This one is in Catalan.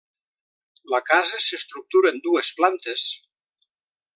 La casa s'estructura en dues plantes.